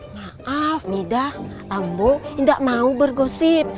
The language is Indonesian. maaf mida ambo tidak mau bergosip